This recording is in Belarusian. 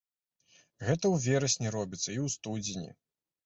Гэта ў верасні робіцца і ў студзені.